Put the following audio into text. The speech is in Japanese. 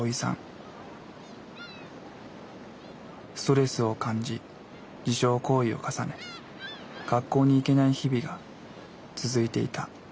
ストレスを感じ自傷行為を重ね学校に行けない日々が続いていた。